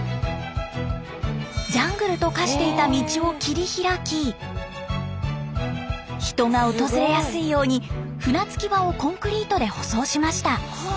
ジャングルと化していた道を切りひらき人が訪れやすいように船着き場をコンクリートで舗装しました。